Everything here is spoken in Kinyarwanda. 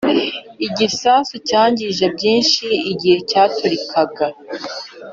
igisasu cyangije byinshi igihe cyaturikaga